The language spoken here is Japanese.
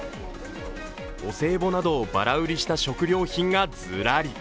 お歳暮などをばら売りした食料品がずらり。